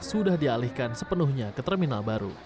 sudah dialihkan sepenuhnya ke terminal baru